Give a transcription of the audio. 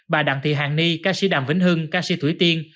bà đặng thị hàng ni ca sĩ đàm vĩnh hưng ca sĩ thủy tiên